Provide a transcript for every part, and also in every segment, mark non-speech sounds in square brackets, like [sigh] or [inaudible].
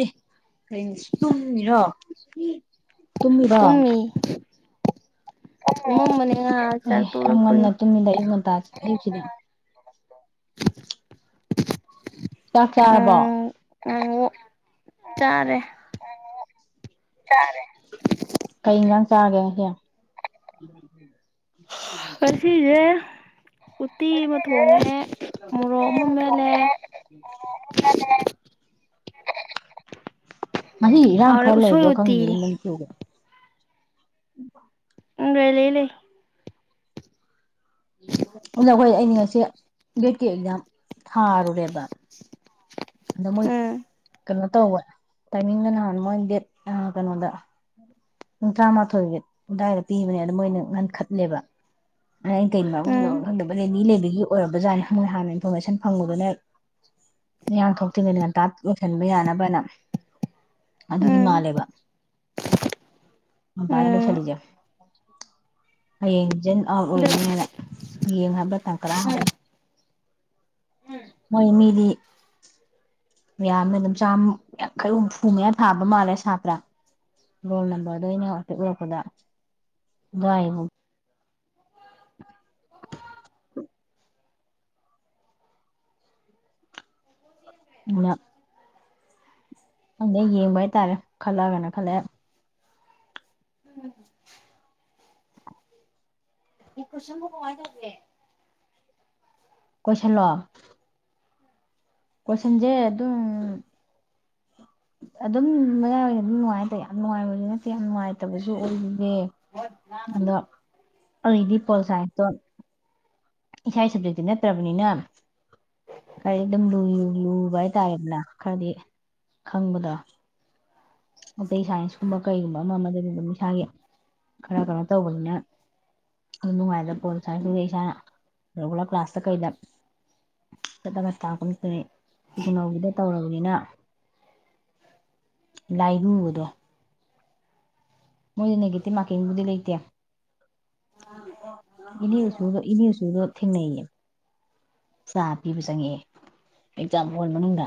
ꯑꯦ ꯀ ꯇꯨꯝꯃꯤꯔꯣ ꯇꯨꯝꯃꯤꯔꯣ ꯏꯃ ꯃꯅꯤ ꯉꯥ ꯆꯥꯛ ꯇꯣꯛꯂꯛꯄꯒꯤ ꯑꯩ ꯀꯅꯦ ꯀ ꯀꯥꯔꯕ ꯌꯥꯥꯔꯦ ꯀꯩ ꯏꯒꯥꯡ ꯆꯥꯒꯦ ꯍꯌꯥ ꯍꯔꯁꯤꯗꯦ ꯎꯇꯤ ꯑꯃ ꯊꯣꯡꯉꯦ ꯃꯣꯔꯣꯛ ꯑꯃ ꯃꯦꯜꯂꯦ ꯉ ꯏꯔꯥꯡ ꯈꯔ ꯂꯩꯕ꯭ꯔꯣ ꯎꯇꯤ ꯈꯪꯗꯦꯅ ꯅꯪ ꯆꯨꯒꯥ ꯎ ꯎꯝ ꯂꯩ ꯂꯩ ꯂꯩ ꯑꯗ ꯑꯩꯈꯣꯏ ꯑꯩꯅ ꯉꯁꯤ ꯦꯠꯀꯤ ꯑꯦꯛꯖꯥꯝ ꯊꯥꯔꯨꯔꯦꯕ ꯃ ꯎꯝ ꯀꯩꯅꯣ ꯇꯧꯕ ꯇꯥꯏꯃꯤꯡꯗ ꯅꯍꯥꯟ ꯃꯣꯏ ꯗꯦꯠ ꯀꯩꯅꯣꯗ ꯄꯨꯡ ꯇꯔꯥꯃꯥꯊꯣꯏ ꯑꯗꯨꯋꯥꯏꯗ ꯄꯤꯕꯅꯦꯗ ꯃꯣꯏꯅ ꯉꯟꯈꯠꯂꯦꯕꯩꯅ ꯀꯩꯅ ꯃꯔꯣ ꯎꯝ ꯈꯪꯗꯕꯅꯦ ꯃꯤ ꯂꯩꯕꯒꯤ ꯑꯣꯏꯔꯕꯖꯥꯠꯅꯦꯣꯏꯅ ꯍꯥꯟꯅ ꯏꯟꯐꯣꯔꯃꯦꯁꯟ ꯐꯪꯕꯗꯨꯅ ꯏꯌꯥꯥꯡ ꯊꯣꯛꯇ꯭ꯔꯤꯉꯩ ꯉꯟꯇꯥ ꯂꯣꯏꯁꯤꯟꯕ ꯌꯥꯅꯕꯅ ꯑꯗꯨꯒꯤ ꯎꯝ ꯃꯥꯜꯂꯦꯕ ꯇꯔ ꯂ ꯎꯝ ꯆꯂꯤꯖꯖ ꯑꯥꯎꯠ ꯑꯣꯏꯅꯤꯅ ꯌꯦ ꯍꯥꯕ ꯇꯪ ꯀ꯭ꯔ ꯍꯥꯏꯕ ꯃꯣꯏꯃꯤꯗꯤ ꯃꯌꯥꯝꯅ ꯑꯗꯨꯝ ꯆꯥꯝꯃꯨꯛ ꯈꯔꯨꯛ ꯐꯨꯉꯌꯥ ꯊꯥꯕ ꯃꯥꯜꯂꯦ ꯁꯥꯇ꯭ꯔꯥ ꯔꯣꯜ ꯅꯝꯕꯔꯗꯣ ꯑꯩꯅ ꯉꯐꯦ ꯎꯔꯛꯄꯗ ꯑꯗꯨꯋꯥꯏꯕꯨꯣ ꯎꯅ ꯍꯪꯗ ꯌꯦꯡꯕ ꯍꯥꯏꯇꯥꯔꯦ ꯈꯜꯂꯒꯅ ꯈꯜꯂꯦ ꯎꯝ ꯑꯩ ꯀ꯭ꯔꯤꯟ ꯒꯋꯥꯟ ꯇꯧꯂꯦ ꯀꯣꯏꯁꯂꯣ ꯀꯣꯏꯁꯟꯁꯦ ꯑꯗꯨꯝ ꯑꯗꯨꯝ ꯃꯌꯥꯏ ꯑꯗꯨꯝ ꯅꯨꯡꯉꯥꯏꯇꯦ ꯌꯥꯝ ꯅꯨꯡꯉꯥꯏꯕꯁꯨ ꯅꯠꯇꯦ ꯌꯥꯝ ꯅꯨꯡꯉꯥꯏꯇꯕꯁꯨ ꯑꯣꯏꯈꯤꯗꯦ ꯑꯗ ꯑꯩ ꯏꯗꯤ ꯄꯣꯜꯁꯥꯏꯠꯇꯣ ꯏꯁ ꯁꯕꯖꯦꯛꯇꯤ ꯅꯠꯇ꯭ꯔꯕꯅꯤꯅ ꯈꯔꯗꯤ ꯑꯗꯨꯝ ꯂꯨ ꯂꯨꯕ ꯍꯥꯏꯇꯥꯔꯦꯗꯅ ꯈꯔꯗꯤ ꯈꯪꯕꯗꯣ ꯑꯇꯩ ꯁꯥꯏꯟꯁꯀꯨꯝꯕ ꯀꯩꯒꯨꯝꯕ ꯑꯃ ꯑꯃꯗꯗꯤ ꯑꯗꯨꯝ ꯏꯁꯥꯒꯤ ꯈꯔ ꯀꯩꯅꯣ ꯇꯧꯕꯅꯤꯅ ꯑꯗꯨꯝ ꯅꯨꯡꯉꯥꯏꯗꯕ ꯄꯣꯜ ꯁꯥꯏꯟꯁꯇꯨꯗ ꯏꯁꯥꯅ ꯔꯤꯒꯨꯂꯔ ꯀ꯭ꯂꯥꯁꯇ ꯀꯩꯗ ꯆꯠꯂꯒ ꯇꯥꯛꯄꯠꯇꯅꯧꯗꯨꯗ ꯇꯧꯔꯕꯅꯤꯅ ꯂꯥꯏꯉꯨꯕꯗꯣ ꯃꯣꯏꯗꯤ ꯅꯦꯒꯦꯇꯤꯚ ꯃꯥꯔꯀꯤꯡꯕꯨꯗꯤ ꯂꯩꯇꯦ ꯏꯅꯦꯆ ꯏꯅꯦ ꯍꯆꯗꯣ ꯊꯦꯡꯅꯩꯌꯦ ꯆꯥ ꯄꯤꯕ ꯆꯪꯉꯛꯑꯦ ꯆꯝꯕꯣꯜ ꯃꯅꯨꯡꯗ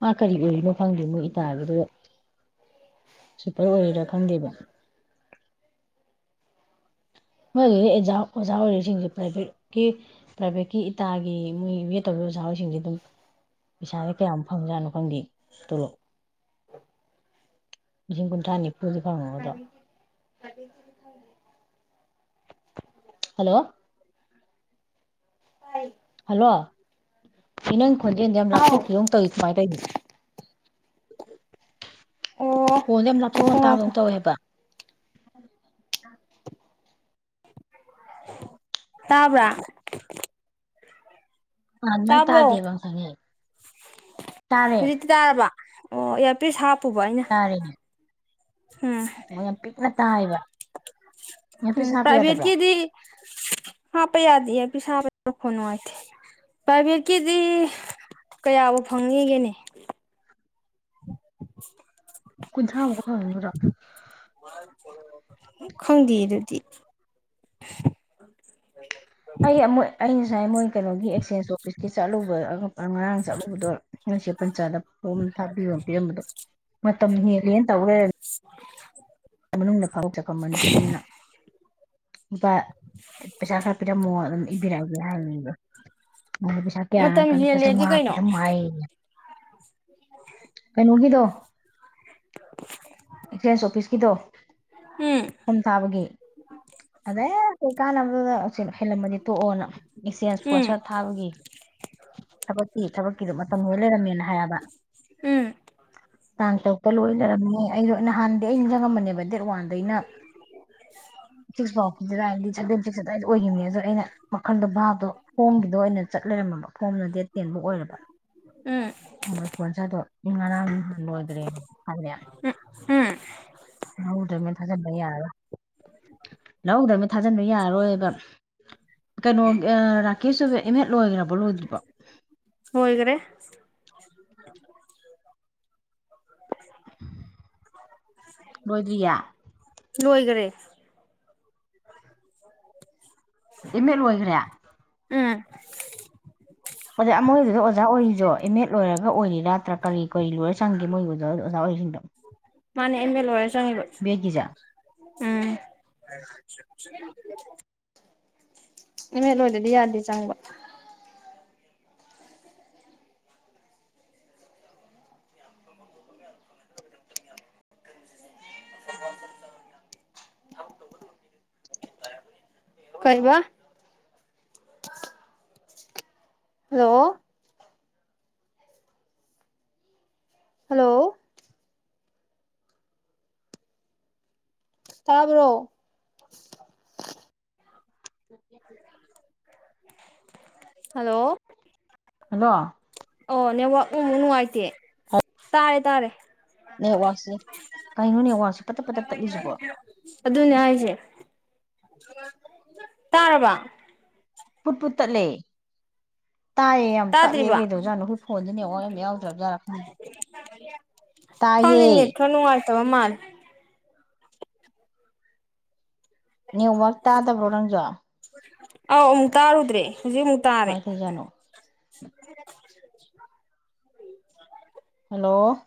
ꯃꯥ ꯀꯔꯤ ꯑꯣꯏꯔꯤꯅꯣ ꯐꯪꯗ꯭ꯔꯤꯃꯣ ꯏꯇꯥꯒꯤꯗꯨ ꯁꯨꯄꯔ ꯑꯣꯏꯔꯦꯔꯥ ꯈꯪꯗꯦꯕ ꯃꯣꯏꯒꯤ ꯑꯣꯖꯥ ꯑꯣꯏꯔꯤꯁꯤꯡꯁꯦ ꯄ꯭ꯔꯥꯏꯚꯦꯠꯀꯤ ꯄ꯭ꯔꯥꯏꯚꯦꯠꯀꯤ ꯏꯇꯥꯒꯤ ꯃꯣꯏ ꯇꯧ ꯑꯣꯖꯥ ꯍꯔꯤꯁꯤꯡꯁ ꯑꯗꯨꯝ ꯄꯩꯁꯥꯥꯁ ꯀꯌꯥꯃꯨꯛ ꯐꯪꯖ꯭ꯔꯥꯠꯅꯣ ꯈꯪꯗꯦ ꯇꯣꯂꯣ ꯃꯤꯁꯤꯡ ꯀꯨꯟ ꯊꯅꯤ ꯄꯨꯖꯤ ꯐꯥꯉꯗꯣ ꯊ ꯍꯜꯂꯣ ꯍ ꯍꯜꯂꯣ ꯐꯅꯪ ꯍꯣꯟꯖꯦꯟꯗꯤ ꯌꯥꯝ ꯍꯥꯎ ꯂꯥꯊꯣꯛꯄꯤꯈꯤꯕꯣꯧ ꯇꯧꯋ ꯀꯃꯥꯏ ꯑꯣ ꯇꯧꯅꯦ ꯍꯅꯦ ꯑꯊꯣꯛ ꯉꯥꯏꯈꯣ ꯉꯇꯥꯕ ꯉꯥꯏꯈꯣ ꯑꯃ ꯇꯧꯋꯦꯕ ꯍ ꯇꯥꯕ꯭ꯔꯥ ꯑ ꯃꯥ ꯇꯥꯕ꯭ꯔꯣ ꯇꯥꯗꯦꯕ ꯁꯉꯦ ꯇꯥꯔꯦ ꯍꯧꯖꯤꯛꯇꯤ ꯇꯥꯔꯕ ꯑꯣ ꯏꯔ ꯄ ꯍꯥꯞ ꯄꯨꯕꯥꯏꯩꯅ ꯉ ꯇꯥꯏ ꯏꯕ ꯎꯝ ꯇꯥꯏꯕꯠꯀꯤꯗꯤ ꯍꯥ ꯄ ꯌꯥꯗ ꯄꯤꯁꯥꯕꯣꯅꯦ ꯐꯔ ꯀꯗꯤ ꯀꯌꯥꯕꯨ ꯐꯪꯉꯤꯒꯦꯅꯦ [unintelligible] ꯀꯟꯁ ꯑ ꯀ ꯍꯥꯏꯨꯔ ꯃ ꯈꯪꯗꯦ ꯑꯗꯨꯗꯤ inaudible ꯑꯩ ꯑꯩ ꯉꯁꯥꯏ ꯃꯣꯏ ꯀꯩꯅꯣꯒꯤ ꯑꯦꯛꯁꯦꯟꯁ ꯆꯣꯐꯤꯁꯀꯤ ꯆꯠꯂꯨꯕ ꯉꯔꯥꯡ ꯆꯥꯛꯂꯨꯕꯗꯣ ꯉꯁꯤꯦꯄꯟꯆꯥꯗ ꯐꯣꯝ ꯊꯥꯕꯤꯌꯣ ꯄꯤꯔꯝꯕꯗꯣ ꯃꯝ ꯌꯦꯟ ꯇ inaudible ꯃꯅꯨꯡꯗ ꯐꯥꯎ ꯆꯈꯃꯟ ꯄꯤꯅ ꯂꯨꯄꯥ ꯄꯩꯁꯥ ꯈꯔ ꯄꯤꯔꯝꯃꯣ ꯑꯗꯨꯝ ꯏꯕꯤꯔꯛꯑꯒꯦ ꯍꯥꯏꯅꯤꯡꯗ ꯅ ꯄꯩꯁꯥ ꯃꯇꯝ ꯀꯌꯥ ꯂꯨꯄꯥ ꯍꯦꯜꯂꯦꯗꯤ ꯆꯥꯃꯉꯥ ꯀꯩꯅꯣ ꯄꯤꯊꯪ ꯍꯥꯏꯌꯦ ꯀꯩꯅꯣꯒꯤꯗꯣ ꯑꯦꯛꯆꯦꯟꯁ ꯑꯣꯐꯤꯁꯀꯤꯗꯣ ꯎꯝ ꯐꯨꯝ ꯊꯥꯕꯒꯤ ꯑꯗꯩ ꯍꯧꯖꯤꯣꯏ ꯀꯥꯟꯅꯕꯗꯨꯗ ꯍꯦꯜꯂꯝꯃꯗꯤ ꯇꯣꯛꯑꯣꯅ ꯑꯦꯛꯆꯦꯟꯁ ꯎꯝ ꯏꯁꯄꯣꯟꯁꯔ ꯊꯥꯕꯒꯤ ꯊꯕꯛꯀꯤ ꯊꯕꯛꯀꯤꯗꯣ ꯃꯇꯝꯗꯨꯔ ꯂꯩꯔꯝꯃꯦꯅ ꯍꯥꯏꯕ ꯎꯝ ꯇꯥꯡ ꯇꯔꯨꯛꯇ ꯂꯣꯏ ꯌꯥ ꯑꯩꯩꯅ ꯑꯩꯅ ꯍꯥꯟꯅꯗꯤ ꯑꯩ ꯅꯤꯡꯁꯤꯡꯉꯝꯕꯅꯦꯕ ꯗꯦꯠ ꯋꯥꯟꯗ ꯑꯩꯅ ꯁꯤꯛꯁ ꯐꯥꯎꯁꯤꯗꯗꯤ ꯁꯕꯦꯟ ꯁꯤꯛꯁ ꯑꯗꯨꯋꯥꯏꯗ ꯑꯣꯏꯈꯤꯕꯅꯦ ꯑꯗꯣ ꯑꯩꯅ ꯃꯈꯟꯗꯣ ꯚꯥꯕꯗꯣ ꯐꯣꯝꯒꯤꯗꯣ ꯑꯣꯏꯅ ꯆꯠ ꯂꯩꯔꯝꯃꯕ ꯐꯣꯝꯅ ꯗꯦꯠ ꯇꯦꯟꯐꯧ ꯑꯣꯏꯔꯕ ꯎꯝ ꯃ ꯐꯣꯟꯁꯗꯣ ꯏꯉ ꯍꯗꯔꯦ ꯀꯌꯥ ꯎꯝ ꯂꯧꯍꯧꯗꯕꯅ ꯊꯥꯖꯤꯟꯕ ꯌꯥꯔꯔꯣꯏ ꯂꯧꯍꯧꯗꯕꯅ ꯊꯥꯖꯟꯕ ꯌꯥꯔꯔꯣꯏꯕ ꯀꯩꯅꯣ ꯔꯥꯀꯦꯁꯁꯨ ꯏꯃꯦꯠ ꯂꯣꯏꯈ꯭ꯔꯕ ꯍꯂꯣ ꯑꯣꯏꯗꯤꯄꯥ inaudible ꯂꯣꯏꯗ꯭ꯔꯤꯌꯦ inaudible ꯂꯣꯏꯒꯔꯦ꯫ ꯄꯨꯟꯅꯥ ꯂꯣꯏꯒꯔ꯭ꯦ? ꯎꯝ꯫ ꯑꯣꯖꯥ ꯃꯣꯏꯗꯨꯗ ꯑꯣꯖꯥ ꯑꯣꯏꯔꯤꯖꯣ ꯑꯦꯝ ꯑꯦꯗ ꯂꯣꯏꯔꯒ ꯑꯣꯏꯔꯤ ꯅꯠꯇ꯭ꯔꯥ ꯀꯔꯤ? ꯀꯔꯤ ꯂꯣꯏꯔ ꯆꯪꯒꯦ ꯃꯣꯏꯒꯤ ꯑꯣꯖꯥ ꯑꯣꯏꯔꯤꯁꯤꯡꯗꯣ ꯃꯥꯅꯦ ꯑꯦꯝ ꯑꯦ ꯂꯣꯏꯔ ꯆꯪꯉꯤꯕ ꯕꯦꯠꯀꯤꯁꯦ? ꯎꯝ꯫ [unintelligible] ꯂꯣꯏꯗꯗꯤ ꯌꯥꯗꯦ ꯆꯪꯕ꯫ ꯀꯩꯕꯥ? ꯍꯜꯂꯣ! ꯍꯜꯂꯣ! ꯇꯥꯕ꯭ꯔꯣ? [unintelligible] ꯍꯜꯂꯣ! ꯍꯜꯂꯣ! ꯑꯣ ꯅꯦꯠꯋꯔꯀ ꯅꯨꯉꯥꯏꯇꯦ꯫ ꯇꯥꯔꯦ - ꯇꯥꯔꯦ꯫ ꯅꯦꯠꯋꯥꯛꯁꯦ ꯀꯩꯅꯣ ꯅꯦꯠꯋꯥꯛꯁꯦ ꯄꯇꯞ- ꯄꯇꯞ ꯇꯠꯂꯤꯁꯤꯕꯣ? ꯑꯗꯨꯅꯦ ꯍꯥꯏꯁꯦ ꯇꯥꯔꯕ ꯄꯨꯠ ꯄꯨꯠ ꯇꯠꯂꯦ ꯇꯥꯏꯌꯦ ꯌꯥꯝ ꯇꯠꯂꯦ ꯇꯥꯗ꯭ꯔꯤꯕ ꯀꯩꯗꯧꯖꯥꯠꯅꯣ ꯈꯣꯏ ꯐꯣꯟꯁꯦ ꯅꯦꯠꯋꯥꯛ ꯌꯥꯝ ꯌꯥꯎꯗ꯭ꯔꯕꯖꯥꯠꯥ ꯈꯪꯗꯦ ꯈꯪꯗꯦ ꯇꯥꯏꯌꯦ ꯅꯦꯠ ꯈꯔ ꯅꯨꯪꯉꯥꯏ ꯇꯕ ꯃꯥꯜꯂꯦ ꯅꯦꯠꯋꯥꯛ ꯇꯥꯗꯕ꯭ꯔꯣ ꯅꯪꯖꯨ ꯑꯧ ꯑꯃꯨꯛ ꯇꯥꯔꯨꯗ꯭ꯔꯦ ꯍꯧꯖꯤꯛ ꯑꯃꯨꯛ ꯇꯥꯔꯦ ꯀꯃꯥꯏ ꯇꯩꯏꯖꯠꯅꯣ [inaudible] ꯍꯜꯂꯣ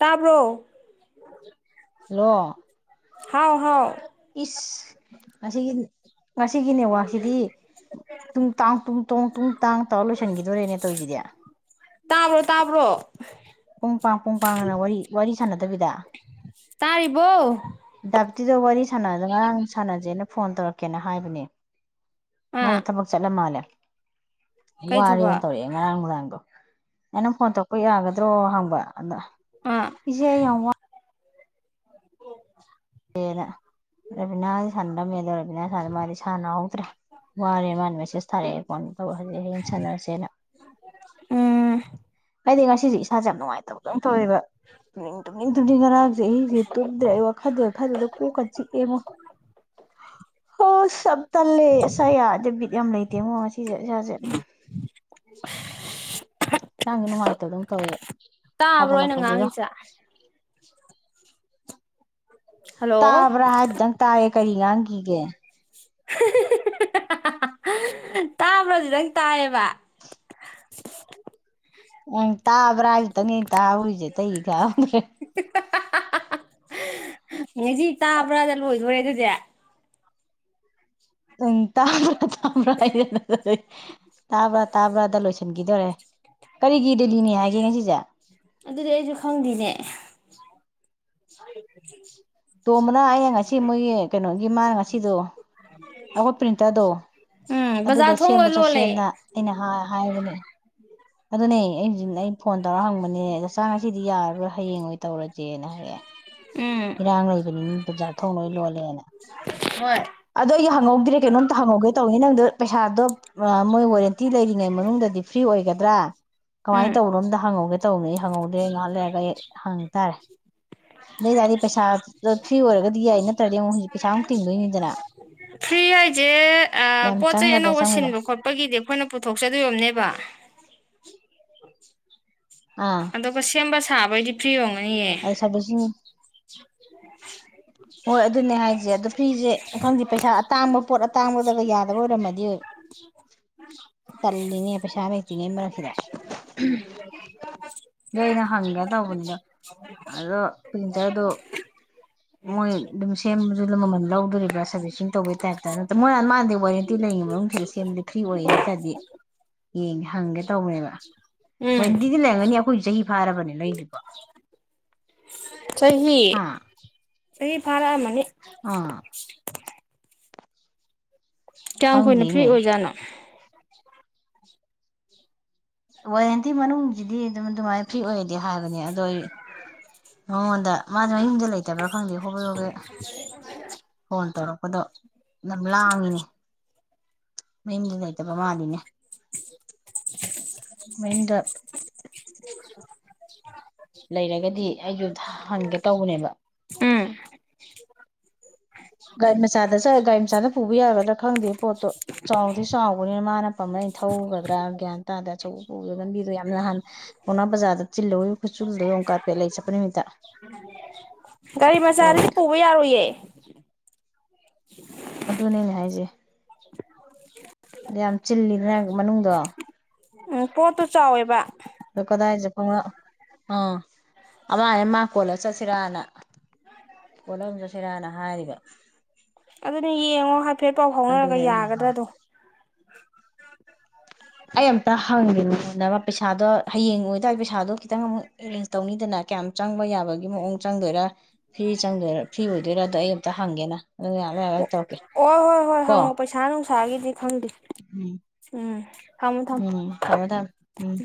ꯇꯥꯕ꯭ꯔꯣ ꯍꯦꯜꯂꯣ ꯍꯥꯎ ꯍꯥꯎ ꯉꯁꯤꯒꯤ ꯉꯁꯤꯒꯤ ꯅꯦꯠꯋꯥꯛꯁꯤꯗꯤ ꯇꯨꯡ ꯇꯥꯡ ꯇꯨꯡ ꯇꯨꯡ ꯇꯥꯡ ꯇꯥꯔ ꯂꯣꯏꯁꯤꯟꯈꯤꯗꯣꯔꯦꯅꯦ ꯇꯧꯔꯤꯁꯤꯗꯤ ꯇꯥꯕ꯭ꯔꯣ - ꯇꯥꯕ꯭ꯔꯣ ꯄꯨꯡ ꯄꯥꯡ ꯄꯨꯡ ꯄꯥꯡꯅ ꯋꯥꯔꯤ ꯋꯥꯔꯤ ꯁꯥꯟꯅꯗꯕꯤꯗ ꯇꯥꯔꯤꯕꯣ ꯗꯥꯕꯤꯇꯤꯗꯣ ꯋꯥꯔꯤ ꯁꯥꯟꯅꯗ ꯉꯔꯥꯡ ꯁꯥꯟꯅꯖꯦꯅ ꯐꯣꯟ ꯇꯧꯔꯛꯀꯦꯅ ꯍꯥꯏꯕꯅꯦ ꯃꯗꯣ ꯑꯥ ꯊꯕꯛ ꯆꯠꯂꯥ ꯃꯥꯜꯂꯦ ꯀꯩ ꯋꯥꯔꯦꯅ ꯊꯕꯛ ꯇꯧꯔꯛꯑꯦ ꯉꯔꯥꯡ ꯅꯨꯡꯗꯥꯥꯡꯗꯣ ꯑꯩꯅ ꯐꯣꯟ ꯇꯧꯔꯛꯄ ꯌꯥꯒꯗ꯭ꯔꯣ ꯍꯪꯕ ꯑꯗ ꯑꯥ ꯏꯆꯦ ꯑꯩ ꯌꯥꯝ ꯋꯥ ꯔꯦꯅ ꯔꯦꯕꯤꯅꯥ ꯁꯥꯟꯅꯔꯝꯃꯦ ꯑꯗꯣ ꯔꯦꯕꯤꯅꯥ ꯁꯥꯟ ꯃꯥꯗꯤ ꯁꯥꯟꯅꯍꯧꯗ꯭ꯔꯦ ꯋꯥꯔꯦ ꯃꯥꯅ ꯃꯦꯁꯦꯁ ꯊꯥꯔꯛꯑꯦ ꯀꯅ ꯇꯧꯕ ꯍꯧꯖꯤꯛ ꯍꯌꯦꯡ ꯁꯥꯟꯅꯔꯁꯦꯅ ꯎꯝ ꯀꯩꯗꯤ ꯉꯁꯤꯁꯦ ꯏꯁꯥꯁꯦ ꯌꯥꯝ ꯅꯨꯡꯉꯥꯏꯇꯕ ꯇꯣꯏꯑꯕ ꯇꯨꯝꯅꯤꯡ ꯇꯨꯝꯅꯤꯡ ꯉꯔꯥꯡꯁꯦ ꯑꯩꯁꯦ ꯇꯨꯝꯗ꯭ꯔꯦ ꯑꯩ ꯋꯥꯈꯜꯗ ꯈꯟꯕꯗ ꯀꯣꯛꯀ ꯆꯤꯛꯑꯦ ꯉꯣ ꯑꯁ ꯌꯥꯝ ꯇꯜꯂꯦ ꯑꯥ ꯌꯥꯗꯦ ꯕꯤꯠ ꯌꯥꯝ ꯂꯩꯇꯦꯉꯣ ꯉꯁꯤꯁꯦ ꯏꯁꯥꯁꯦ ꯍꯛꯆꯥꯡꯁꯦ ꯅꯨꯡꯉꯥꯏꯇꯕꯗꯧ ꯇꯧꯋꯦꯕ ꯇꯥꯕ꯭ꯔꯣ ꯑꯩꯅ ꯁꯥꯒꯠꯂꯛꯄꯁꯤꯒ ꯉꯥꯡꯉꯤꯁꯦ ꯍꯜꯂꯣ ꯇꯥꯕ꯭ꯔꯥ ꯍꯥꯏꯗꯨꯗ ꯇꯥꯏꯌꯦ ꯀꯔꯤ ꯉꯥꯡ ꯒꯤꯒꯦ ꯇꯥꯕ꯭ꯔꯥꯗꯨꯗꯪ ꯇꯥꯏꯌꯦꯕ [unintelligible] ꯎꯝ ꯇꯥꯕ꯭ꯔꯥ ꯍꯥꯏꯕꯇꯪꯅꯤ ꯑꯩ ꯇꯥꯍꯧꯔꯤꯁꯦ ꯑꯇꯩ [unintelligible] [unintelligible] [unintelligible] ꯅꯦꯖꯤ ꯇꯥꯕ꯭ꯔꯥꯗ ꯂꯣꯏꯗꯣꯔꯦ ꯑꯗꯨꯗꯤ ꯎꯝ [unintelligible] [unintelligible] ꯇꯥꯕ꯭ꯔꯥ ꯇꯥꯕ꯭ꯔꯥꯗ ꯂꯣꯏꯁꯤꯟꯈꯤꯗꯣꯔꯦ ꯀꯔꯤꯒꯤ ꯗꯦꯜꯂꯤꯅꯤ ꯍꯥꯏꯒꯦ ꯉꯁꯤꯁꯦ ꯑꯗꯨꯗꯤ ꯑꯩꯁꯨ ꯈꯪꯗꯦꯅꯦ ꯇꯣꯝꯕꯅ ꯑꯩꯅ ꯉꯁꯤ ꯃꯣꯏꯒꯤ ꯀꯩꯅꯣꯒꯤ ꯃꯥꯅ ꯉꯁꯤꯗꯣ ꯑꯈꯣꯏ ꯄ꯭ꯔꯤꯟꯇꯔꯗꯣ ꯎꯝ ꯑꯗꯨꯗꯣ ꯕꯖꯥꯔ ꯊꯣꯡ ꯂꯣꯏ ꯁꯦꯝꯕ ꯂꯣꯜꯂꯦ ꯆꯠꯁꯦꯅ ꯑꯩꯅ ꯍꯥꯏ ꯍꯥꯏꯕꯅꯦ ꯑꯗꯨꯅꯦ ꯑꯩ ꯍꯧꯖꯤꯛ ꯑꯩ ꯐꯣꯟ ꯇꯧꯔ ꯍꯪꯕꯅꯦ ꯆꯥ ꯉꯁꯤꯗꯤ ꯌꯥꯔꯔꯣꯏ ꯍꯌꯦꯡꯉꯣꯏ ꯇꯧꯔꯁꯦꯅ ꯍꯥꯏꯔꯛꯑꯦ ꯎꯝ ꯏꯔꯥꯡ ꯂꯩꯕꯅꯤ ꯃꯤ ꯕꯖꯥꯔ ꯊꯣꯡ ꯂꯣꯏ ꯂꯣꯟ ꯂꯦꯅ ꯍꯣꯏ ꯑꯩ ꯍꯪꯍꯧꯗ꯭ꯔꯦ ꯀꯩꯅꯣꯝꯇ ꯍꯪꯍꯧꯒꯦ ꯇꯧꯅꯤ ꯅꯪꯗꯣ ꯄꯩꯁꯥꯗꯣ ꯃꯣꯏ ꯋꯥꯔꯦꯟꯇꯤ ꯂꯩꯔꯤꯉꯩ ꯃꯅꯨꯡꯗꯗꯤ ꯐ꯭ꯔꯤ ꯑꯣꯏꯒꯗ꯭ꯔꯥ ꯀꯃꯥꯏꯅ ꯎꯝ ꯇꯧꯕꯅꯣꯝꯇ ꯍꯪꯍꯧꯒꯦ ꯇꯧꯅꯤ ꯑꯩ ꯍꯪꯍꯧꯗ꯭ꯔꯦ ꯉꯥꯏꯍꯥꯛ ꯂꯩꯔꯒ ꯑꯩ ꯍꯪꯉ ꯇꯥꯔꯦ ꯑꯗꯨꯏꯇꯥꯗꯤ ꯄꯩꯁꯥ ꯐ꯭ꯔꯤ ꯑꯣꯏꯔꯒꯗꯤ ꯌꯥꯏ ꯅꯠꯇ꯭ꯔꯗꯤ ꯑꯃꯨꯛ ꯍꯧꯖꯤꯛ ꯄꯩꯁꯥꯃꯨꯛ ꯇꯤꯡꯗꯣꯏꯅꯤꯗꯅ ꯁꯤ ꯍꯥꯏꯁꯦ ꯌꯥꯝ ꯄꯣꯠꯆꯩ ꯆꯪꯒꯗ꯭ꯔꯥ ꯑꯅꯧꯕ ꯆꯪꯉꯣꯏꯗ꯭ꯔꯥ ꯁꯤꯟꯕ ꯈꯣꯠꯄꯒꯤꯗꯤ ꯑꯩꯈꯣꯏꯅ ꯄꯨꯊꯣꯛꯆꯗꯣꯏ ꯑꯣꯏꯔꯝꯅꯦꯕ ꯑꯥ ꯑꯗꯨꯒ ꯁꯦꯝꯕ ꯁꯕꯩꯗꯤ ꯐ꯭ꯔꯤ ꯑꯣ [unintelligible] ꯍꯣꯏ ꯑꯗꯨꯅꯦ ꯍꯥꯏꯁꯦ ꯑꯗꯣ ꯐꯔꯤꯁꯦ ꯈꯪꯗꯦ ꯄꯩꯁꯥ ꯑꯇꯥꯡꯕ ꯄꯣꯠ ꯑꯇꯥꯡꯕꯗꯒ ꯌꯥꯗꯕ ꯑꯣꯏꯔꯝꯃꯗꯤ ꯇꯜꯂꯤꯅꯦ ꯄꯩꯁꯥ ꯂꯩꯇ꯭ꯔꯤꯉꯩ ꯃꯔꯛꯁꯤꯗ ꯑꯣ ꯑꯩꯅ ꯍꯪꯒ ꯇꯧꯕꯅꯤꯗꯣ ꯑꯗꯣ ꯄ꯭ꯔꯤꯟꯇꯔꯗꯣ ꯃꯣꯏ ꯑꯗꯨꯝ ꯁꯦꯝꯕꯁꯨ ꯑꯗꯨꯝ ꯃꯃꯟ ꯂꯧꯗꯣꯔꯤꯕ꯭ꯔꯥ ꯁꯥꯔꯕꯤꯁꯤꯡ ꯇꯧꯕꯩ ꯇꯥꯏꯞꯇ ꯅ꯭ꯔ ꯃꯣꯏꯅ ꯃꯥꯥꯟꯗꯤ ꯋꯥꯔꯦꯟꯇꯤ ꯂꯩꯔꯤꯉꯩ ꯃꯅꯨꯡꯁꯤꯗ ꯁꯦꯝꯗꯤ ꯐ꯭ꯔꯤ ꯑꯣꯏ ꯍꯥꯏ ꯇꯥꯔꯗꯤ ꯌꯦꯡꯉꯦ ꯍꯪꯒꯦ ꯇꯧꯕꯅꯦꯕ ꯎꯝ ꯋꯥꯔꯦꯟꯇꯤꯗꯤ ꯂꯩꯔꯝꯒꯅꯤ ꯑꯩꯈꯣꯏ ꯆꯍꯤ ꯐꯥꯔꯕꯅꯦ ꯂꯩꯔꯤꯕꯣ ꯆꯍꯤ ꯍꯥ ꯆꯍꯤ ꯐꯥꯔꯛꯑꯃꯅꯤ ꯑꯥ ꯀꯌꯥꯝ ꯀꯨꯏꯅ ꯐ꯭ꯔꯤ ꯈꯪꯗꯦꯅꯦ ꯑꯣꯏꯖꯥꯠꯅꯣ ꯋꯥꯔꯦꯟꯇꯤ ꯃꯅꯨꯡꯁꯤꯗꯤ ꯑꯗꯨꯝ ꯑꯗꯨꯃꯥꯏꯅ ꯐ꯭ꯔꯤ ꯑꯣꯏꯔꯗꯤ ꯍꯥꯏꯕꯅꯤ ꯑꯗꯣ ꯑꯩ ꯃꯉꯣꯟꯗ ꯃꯥꯁꯨ ꯃꯌꯨꯝꯗ ꯂꯩꯇꯕ꯭ꯔꯥ ꯈꯪꯗꯦ ꯍꯣꯕꯦ ꯍꯣꯕꯦ ꯐꯣꯟ ꯇꯧꯔꯛꯑꯣ ꯑꯗꯣ ꯌꯥꯝ ꯂꯥꯉꯤꯅꯦ ꯃꯌꯨꯝꯗ ꯂꯩꯇꯕ ꯃꯥꯜꯂꯤꯅꯦ ꯃꯥꯌꯨꯝꯗ ꯂꯩꯔꯒꯗꯤ ꯑꯩꯁꯨ ꯍꯟꯒꯦ ꯇꯧꯕꯅꯦꯕ ꯎꯝ ꯒꯥꯔꯤ ꯃꯆꯥꯗ ꯆ ꯒꯥꯔꯤ ꯃꯆꯥꯗ ꯄꯨꯕ ꯌꯥꯒꯗ꯭ꯔꯥ ꯈꯪꯗꯦ ꯄꯣꯠꯇꯣ ꯆꯥꯎꯗꯤ ꯆꯥꯎꯕꯅꯤꯅ ꯃꯥꯅ ꯄꯝꯕꯂ ꯑꯩꯅ ꯊꯧꯒꯗ꯭ꯔꯥ ꯒ꯭ꯌꯥꯟ ꯇꯥꯗ ꯑꯆꯧꯕ ꯄꯨꯕꯗꯣ ꯂꯝꯕꯤꯗꯣ ꯌꯥꯝ ꯅꯍꯥꯟ ꯄꯥꯎꯅꯥ ꯕꯖꯥꯔꯗ ꯆꯤꯜꯍꯧꯋ ꯈꯨꯠꯆꯨꯜꯗꯣ ꯌꯦꯨꯛ ꯀꯥꯔꯄꯦꯠ ꯂꯩ ꯆꯠꯄ ꯅꯨꯃꯤꯠꯇ ꯒꯥꯔꯤ ꯃꯆꯥꯗꯤ ꯇꯧꯔꯤꯗꯣ ꯄꯨꯕ ꯌꯥꯔꯣꯏꯌꯦ ꯑꯗꯨꯅꯦ ꯑꯩꯟ ꯍꯥꯏꯁꯦ ꯌꯥꯝ ꯆꯤꯜꯂꯤꯗꯅ ꯃꯅꯨꯡꯗꯣ ꯎꯝ ꯄꯣꯠꯇ ꯆꯥꯎꯋꯦꯕ ꯀꯗꯥꯏꯗ ꯈꯅ ꯑꯥ ꯑꯃ ꯑꯃ ꯀꯣꯜꯂ ꯆꯠꯁꯤꯔꯅ ꯀꯣꯜꯂ ꯆꯠꯁꯤꯔꯅ ꯍꯥꯏꯔꯤꯕ ꯑꯗꯨꯅꯦ ꯌꯦꯡꯉꯣ ꯍꯥꯏꯐꯦꯠ ꯄꯥꯎ ꯐꯥꯎꯅꯔꯒ ꯑꯗꯨꯅꯦ ꯑꯩꯅ ꯍꯥ ꯌꯥꯒꯗ꯭ꯔꯥꯗꯣ [inaudible] ꯑꯩ ꯑꯃꯝꯇ ꯍꯪꯒꯦꯅꯨꯅꯕ ꯄꯩꯁꯥꯗꯣ ꯍꯌꯦꯡ ꯑꯣꯏꯇꯥꯗꯤ ꯄꯩꯁꯥꯗꯣ ꯈꯤꯇꯪ ꯑꯃꯨꯛ ꯑꯦꯔꯦꯟꯖ ꯇꯧꯅꯤꯗꯅ ꯀꯌꯥꯝ ꯆꯪꯕ ꯌꯥꯕꯒꯤ ꯃꯑꯣꯡ ꯆꯪꯗꯣꯏꯔꯥ ꯐ꯭ꯔꯤ ꯆꯪꯗꯣꯏꯔ ꯐ꯭ꯔꯤ ꯑꯣꯏꯗꯣꯏꯔ ꯑꯗꯣ ꯑꯩ ꯑꯃꯝꯇ ꯍꯪꯒꯦꯅ ꯑꯗꯨ ꯑꯩ ꯉꯥꯏꯍꯥꯛ ꯂꯩꯔ꯭ꯒ ꯇꯧꯔꯛꯀꯦ ꯑꯣ ꯍꯣꯏ ꯍꯣꯏ ꯀꯣ ꯍꯪꯉꯣ ꯄꯩꯁꯥ ꯅꯨꯡꯁꯥꯒꯤꯗꯤ ꯎꯝ ꯊꯝ ꯊꯝ ꯑ ꯊꯝꯃꯦ ꯊꯝꯃꯦ ꯎꯝ